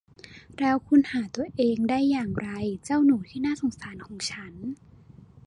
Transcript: แล้วคุณหาตัวเองได้อย่างไร เจ้าหนูที่น่าสงสารของฉัน